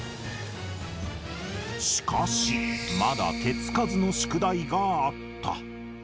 しかし、まだ手付かずの宿題があった。